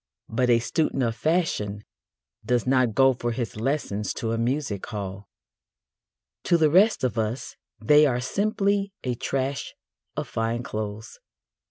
But a student of fashion does not go for his lessons to a music hall. To the rest of us they are simply a trash of fine clothes.